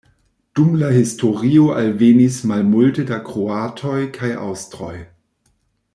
Dum la historio alvenis malmulte da kroatoj kaj aŭstroj.